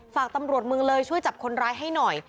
ฝากตำรวจมึงเลยช่วยจับคนร้ายให้หน่อย